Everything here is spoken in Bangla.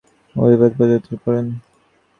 তিনি ভৌত সূত্রের মাধ্যমে গ্রহের গতিপথ প্রতিপাদন করেন।